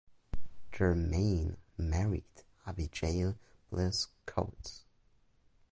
Germain married Abigail Bliss Coates.